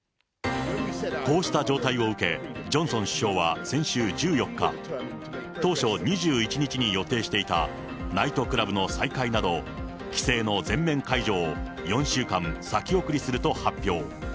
こうした状態を受け、ジョンソン首相は先週１４日、当初、２１日に予定していたナイトクラブの再開など、規制の全面解除を、４週間先送りすると発表。